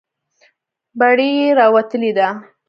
بړۍ یې راوتلې ده.